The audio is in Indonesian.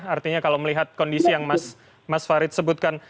artinya kalau melihat kondisi yang mas farid sebutkan